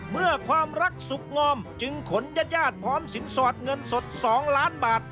เมื่อความรักศุกร์งอมจึงขนญาติพร้อมสินสอดเงินสดสองล้านบาท